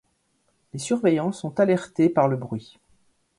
Les surveillants sont alertés par le bruit.